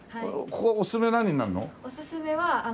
ここおすすめは何になるの？